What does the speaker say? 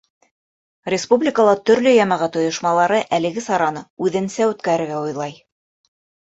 Республикала төрлө йәмәғәт ойошмалары әлеге сараны үҙенсә үткәрергә уйлай.